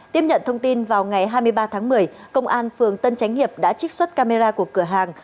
tiếp nhận thông tin vào ngày hai mươi ba tháng một mươi công an phường tân chánh hiệp đã trích xuất camera của cửa hàng